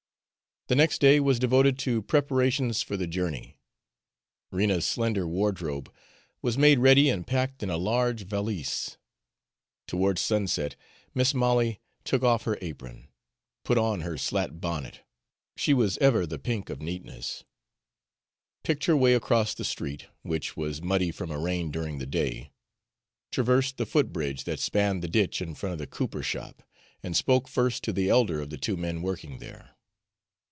The next day was devoted to preparations for the journey. Rena's slender wardrobe was made ready and packed in a large valise. Towards sunset, Mis' Molly took off her apron, put on her slat bonnet, she was ever the pink of neatness, picked her way across the street, which was muddy from a rain during the day, traversed the foot bridge that spanned the ditch in front of the cooper shop, and spoke first to the elder of the two men working there.